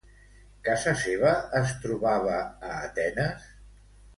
Casa seva es trobava a Atenes?